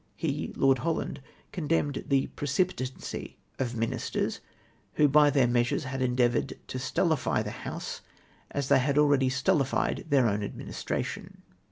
He (Lord Holland) condemned the precipitancy of ministers, who by their measures had endeavoured to stultify the House as they had already stultified their oivn administration.